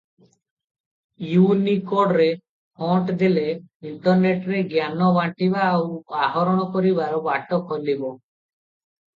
ଇଉନିକୋଡ଼ରେ font ହେଲେ ଇଣ୍ଟରନେଟରେ ଜ୍ଞାନ ବାଣ୍ଟିବା ଆଉ ଆହରଣ କରିବାର ବାଟ ଖୋଲିବ ।